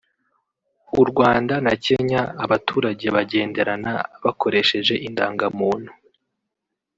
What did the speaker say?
u Rwanda na Kenya abaturage bagenderana bakoresheje indangamuntu